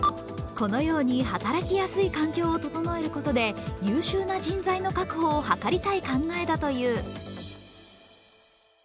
このように働きやすい環境を整えることで優秀な人材の確保を図りたい考えだという。